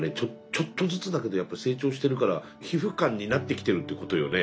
ちょっとずつだけどやっぱり成長してるから皮膚感になってきてるということよね。